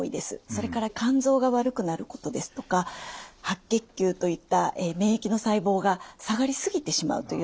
それから肝臓が悪くなることですとか白血球といった免疫の細胞が下がり過ぎてしまうというようなこともあります。